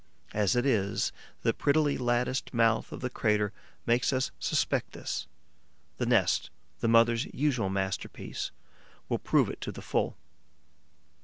As it is, the prettily latticed mouth of the crater makes us suspect this; the nest, the mother's usual masterpiece, will prove it to the full.